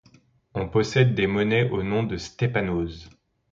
On possède des monnaies au nom de Stép’anoz.